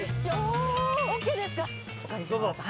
お借りします。